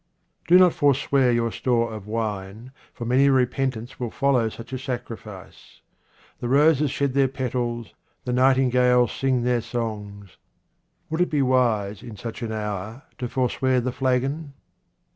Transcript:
Do not forswear your store of wine, for many a repentance will follow such a sacrifice. The roses shed their petals, the nightingales sing their songs : would it be wise in such an hour to forswear the flagon